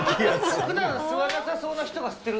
ふだん吸わなさそうな人が吸ってる。